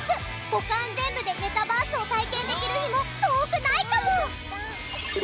五感全部でメタバースを体験できる日も遠くないかも！